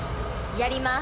やります。